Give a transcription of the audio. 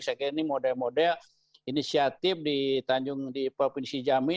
saya kira ini model model inisiatif di tanjung di provinsi jambi